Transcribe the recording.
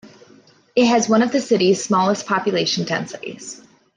It has one of the city's smallest population densities.